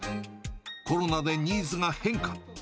コロナでニーズが変化。